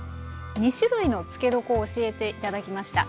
２種類の漬け床を教えて頂きました。